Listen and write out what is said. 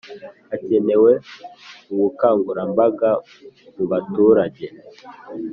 Hakenewe ubukangurambaga mu baturage